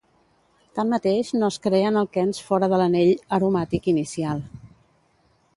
Tanmateix no es creen alquens fora de l'anell aromàtic inicial.